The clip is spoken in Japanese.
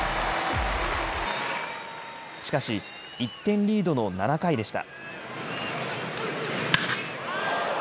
しかし１点リードの７回でした。